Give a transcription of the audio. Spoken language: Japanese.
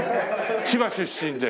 千葉出身で。